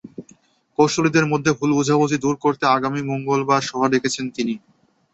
কৌঁসুলিদের মধ্যে ভুল বোঝাবুঝি দূর করতে তিনি আগামী মঙ্গলবার সভা ডেকেছেন।